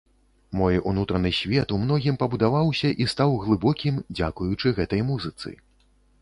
Мой унутраны свет ў многім пабудаваўся і стаў глыбокім дзякуючы гэтай музыцы.